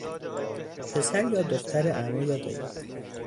پسر یا دختر عمو یا دایی